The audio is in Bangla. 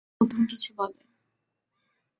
আজকাল আমার বন্ধুরা আমাকে নতুন কিছু বলে।